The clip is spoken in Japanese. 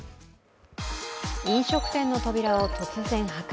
飲食店の扉を突然破壊。